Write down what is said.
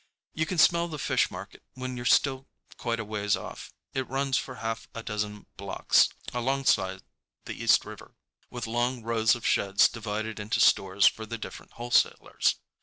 You can smell the fish market when you're still quite a ways off. It runs for a half a dozen blocks alongside the East River, with long rows of sheds divided into stores for the different wholesalers.